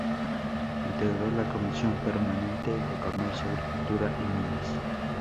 Integró la Comisión Permanente de Comercio, Agricultura y Minas.